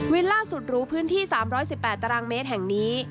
ล่าสุดหรูพื้นที่๓๑๘ตารางเมตรแห่งนี้